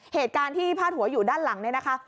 เหตุการณ์ที่พาดหัวอยู่ด้านหลังเนี่ยนะคะ